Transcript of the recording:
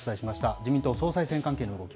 自民党総裁選関係の動き。